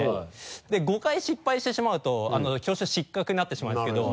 で５回失敗してしまうと失格になってしまうんですけど。